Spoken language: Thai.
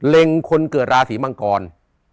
เล็งคนเกิดราศรีมังกร